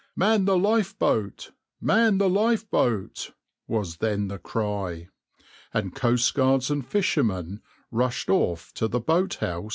"Man the lifeboat! man the lifeboat!" was then the cry, and coastguards and fishermen rushed off to the boathouse at full speed.